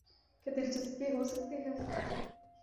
کیا دلچسپی ہوسکتی ہے۔